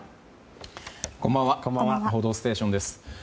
「報道ステーション」です。